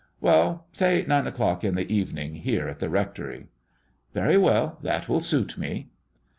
"Well, say nine o'clock in the evening, here at the rectory." "Very well; that will suit me."